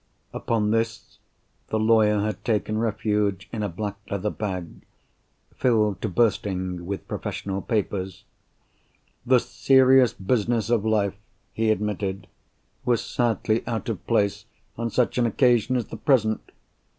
Upon this, the lawyer had taken refuge in a black leather bag, filled to bursting with professional papers. "The serious business of life," he admitted, "was sadly out of place on such an occasion as the present.